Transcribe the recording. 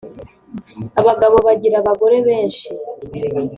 Abagabo bagira abagore benshi